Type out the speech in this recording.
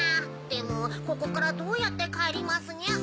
でもここからどうやってかえりますにゃ？